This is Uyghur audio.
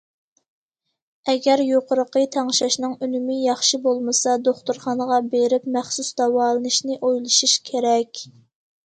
ئەگەر يۇقىرىقى تەڭشەشنىڭ ئۈنۈمى ياخشى بولمىسا، دوختۇرخانىغا بېرىپ مەخسۇس داۋالىنىشنى ئويلىشىش كېرەك.